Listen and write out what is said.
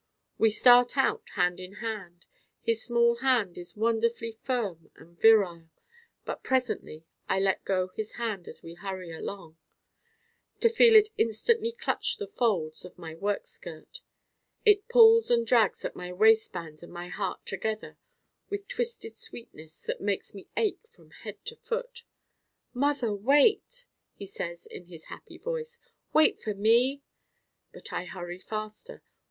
We start out hand in hand his small hand is wonderfully firm and virile but presently I let go his hand as we hurry along, to feel it instantly clutch the folds of my work skirt: it pulls and drags at my waistbands and my Heart together with twisted sweetness that makes me ache from head to foot. 'Mother, wait,' he says in his happy voice, 'wait for me.' But I hurry faster.